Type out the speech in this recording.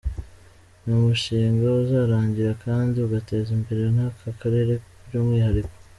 Ni umushinga uzarangira kandi ugateza imbere n’aka Karere by’umwihariko.